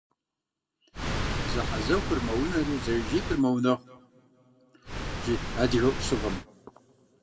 Зэхьэзэхуэр мэунэри, зэижитӀыр мэунэхъу, жи адыгэ Ӏущыгъэм.